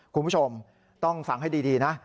คุณผู้ชมต้องฟังให้ดีนะ